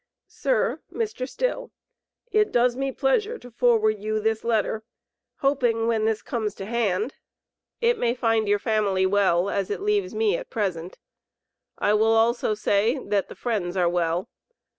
SIR, MR. STILL It does me pleasure to forward you this letter hopeing when this comes to hand it may find your family well, as they leaves me at present. I will also say that the friends are well.